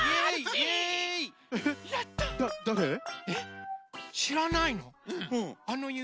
えっ？しらないの？